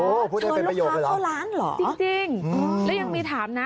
โอ้โฮพูดให้เป็นประโยคเลยหรอจริงแล้วยังมีถามนะ